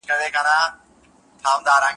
پایزېبونه سندرغاړي د هوس شول